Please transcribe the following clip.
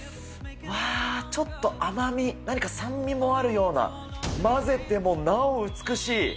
うわー、ちょっと甘み、何か酸味もあるような、混ぜてもなお美しい。